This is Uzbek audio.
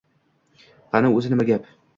Qani, o‘zi nima gap